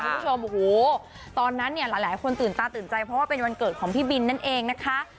คุณผู้ชมโอ้โหตอนนั้นเนี่ยหลายคนตื่นตาตื่นใจเพราะว่าเป็นวันเกิดของพี่บินนั่นเองนะคะ